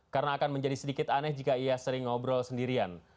karena akan menjadi sedikit aneh jika ia sering ngobrol sendirian